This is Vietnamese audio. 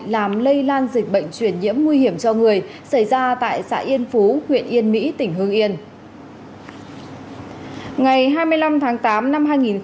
làm lây lan dịch bệnh truyền nhiễm nguy hiểm cho người xảy ra tại xã yên phú huyện yên mỹ tỉnh hương yên